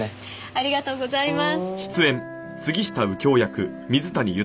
ありがとうございます。